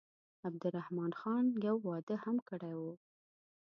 عبدالرحمن خان یو واده هم کړی وو.